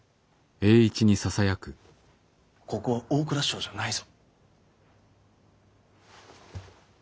ここは大蔵省じゃないぞ。